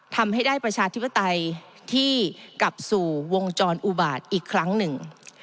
ทำให้ได้ประชาธิปไตยที่กลับสู่วงจรอุบาตอีกครั้งหนึ่ง